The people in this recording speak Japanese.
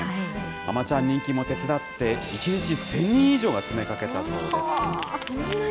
あまちゃん人気も手伝って、１日１０００人以上が詰めかけたそうこんなに。